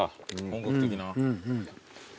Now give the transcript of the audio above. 本格的な。